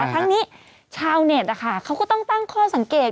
ทั้งนี้ชาวเน็ตเขาก็ต้องตั้งข้อสังเกต